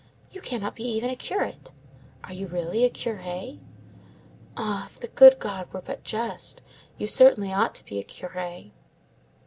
You cannot be even a curate. Are you really a curé? Ah, if the good God were but just, you certainly ought to be a curé!